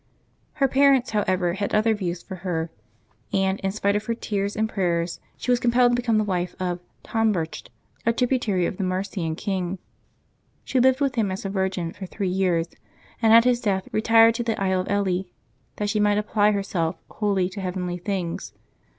Her parents, however, had other views for her, and, in spite of her tears and prayers, she was compelled to become the wife of Tonbercht, a trib utary of the Mercian king. She lived with him as a virgin for three years, and at his death retired to the isle of Ely, that she might apply herself wholly to heavenly things.